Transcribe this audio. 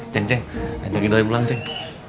ceng ceng enjolin doi pulang ceng